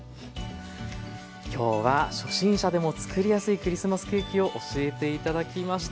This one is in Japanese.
今日は初心者でも作りやすいクリスマスケーキを教えて頂きました。